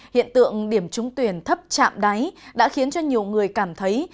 hiện tượng điểm trúng tuyển thấp chạm đáy đã khiến cho nhiều người cảm thấy